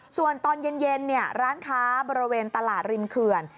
ส่วนตอนเย็นร้านค้าบริเวณตลาดริมเขื่อน